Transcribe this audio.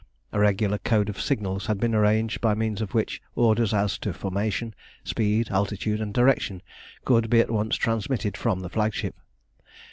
A regular code of signals had been arranged, by means of which orders as to formation, speed, altitude, and direction could be at once transmitted from the flagship.